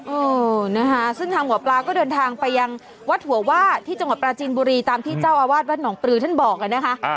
เออนะคะซึ่งทางหมอปลาก็เดินทางไปยังวัดหัวว่าที่จังหวัดปราจีนบุรีตามที่เจ้าอาวาสวัดหนองปลือท่านบอกนะคะ